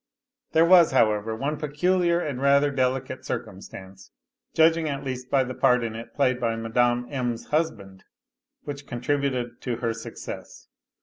There was, however, one peculiar and rather delicate circumstance, judging at least by the part in it played by Mme. M.'s husband, which contributed to her success.